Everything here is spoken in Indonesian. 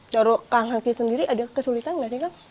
darul kang heki sendiri ada kesulitan gak sih kang